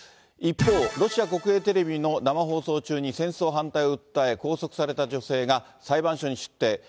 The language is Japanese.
一方、ロシア国営テレビの生放送中に、戦争反対を訴え、拘束された女性が裁判所に出廷。